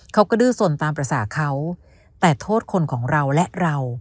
ดื้อสนตามภาษาเขาแต่โทษคนของเราและเรา